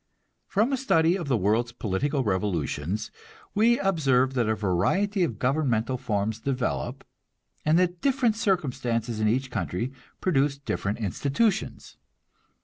From a study of the world's political revolutions we observe that a variety of governmental forms develop, and that different circumstances in each country produce different institutions.